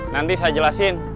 nanti saya jelasin